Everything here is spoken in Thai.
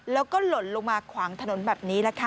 แล้วก็หล่นลงมาขวางถนนแบบนี้แหละค่ะ